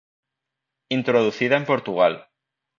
Introducida en Portugal.